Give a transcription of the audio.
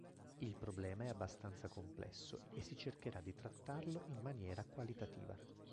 Il problema è abbastanza complesso e si cercherà di trattarlo in maniera qualitativa.